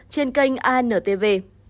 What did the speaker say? trên kênh antv